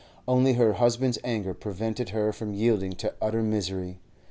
Only her husband's anger prevented her from yielding to utter misery.